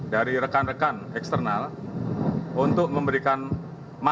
dari rekan rekan eksternal untuk memberikan masukan